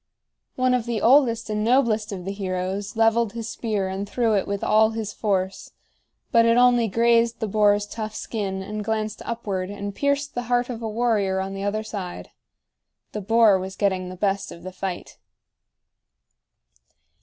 One of the oldest and noblest of the heroes leveled his spear and threw it with all his force; but it only grazed the boar's tough skin and glanced upward and pierced the heart of a warrior on the other side. The boar was getting the best of the fight.